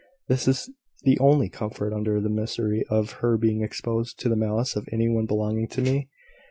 This is the only comfort under the misery of her being exposed to the malice of any one belonging to me.